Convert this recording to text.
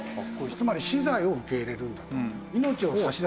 つまり死罪を受け入れるんだと。